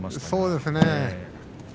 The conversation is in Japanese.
そうですね